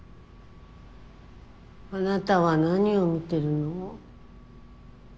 あなたは何を見てるの？